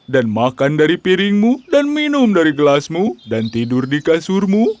dan makan dari piringmu dan minum dari gelasmu dan tidur di kasurmu